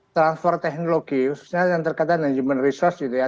transfer teknologi khususnya yang terkait dengan human resource gitu ya